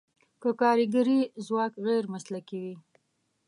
که کارګري ځواک غیر مسلکي وي.